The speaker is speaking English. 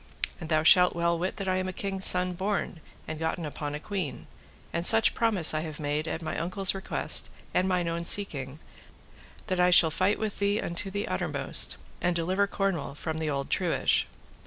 And thou shalt well wit that I am a king's son born, and gotten upon a queen; and such promise I have made at my uncle's request and mine own seeking, that I shall fight with thee unto the uttermost, and deliver Cornwall from the old truage.